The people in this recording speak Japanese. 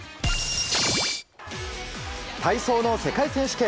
体操の世界選手権。